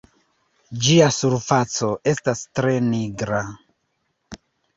Ĝia surfaco estas tre nigra.